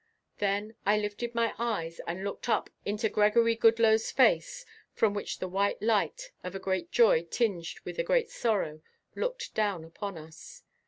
Then I lifted my eyes and looked up into Gregory Goodloe's face, from which the white light of a great joy tinged with a great sorrow, looked down upon us.